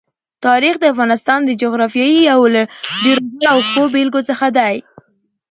تاریخ د افغانستان د جغرافیې یو له ډېرو غوره او ښو بېلګو څخه دی.